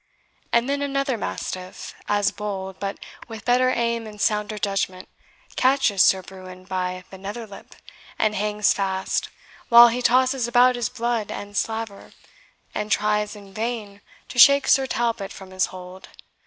And then another mastiff; as bold, but with better aim and sounder judgment, catches Sir Bruin by the nether lip, and hangs fast, while he tosses about his blood and slaver, and tries in vain to shake Sir Talbot from his hold.